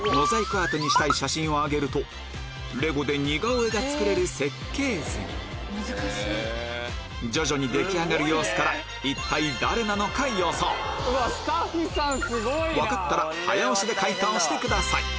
アートにしたい写真を上げるとレゴで似顔絵が作れる設計図に徐々に出来上がる様子から一体誰なのか予想分かったら早押しで解答してください